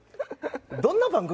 どんな番組